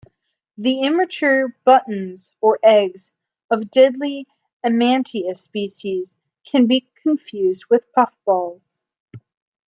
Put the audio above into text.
The immature 'buttons' or 'eggs' of deadly "Amanita" species can be confused with puffballs.